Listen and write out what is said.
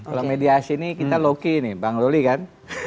kalau mediasi ini kita loki nih bang loli kan